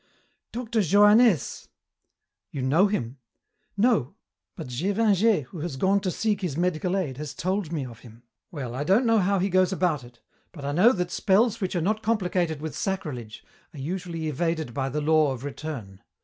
"Dr. Johannès!" "You know him!" "No. But Gévingey, who has gone to seek his medical aid, has told me of him." "Well, I don't know how he goes about it, but I know that spells which are not complicated with sacrilege are usually evaded by the law of return.